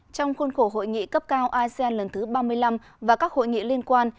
trong khuôn khổ hội nghị cấp cao asean lần thứ ba mươi năm và các hội nghị liên quan